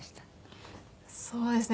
そうですね。